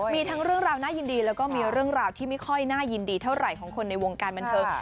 มีทั้งเรื่องราวน่ายินดีแล้วก็มีเรื่องราวที่ไม่ค่อยน่ายินดีเท่าไหร่ของคนในวงการบันเทิง